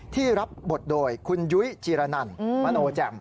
ที่รับบทโดยคุณยุ้ยจีรนันมโนแจ่ม